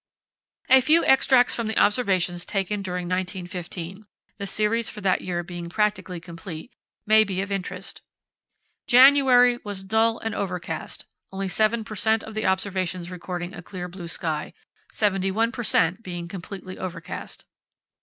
A few extracts from the observations taken during 1915—the series for that year being practically complete—may be of interest. January was dull and overcast, only 7 per cent. of the observations recording a clear blue sky, 71 per cent. being completely overcast.